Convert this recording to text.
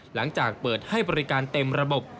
หลังจากเปิดให้บริการเต็มระบบ